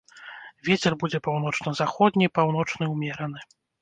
Вецер будзе паўночна-заходні, паўночны ўмераны.